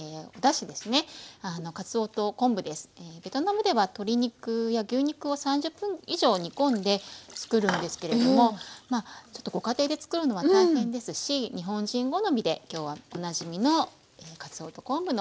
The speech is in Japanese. ベトナムでは鶏肉や牛肉を３０分以上煮込んで作るんですけれどもちょっとご家庭で作るのは大変ですし日本人好みで今日はおなじみのかつおと昆布のだしを使っています。